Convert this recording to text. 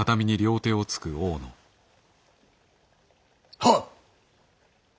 はっ！